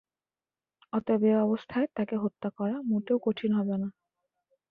অতএব এ অবস্থায় তাঁকে হত্যা করা মোটেও কঠিন হবে না।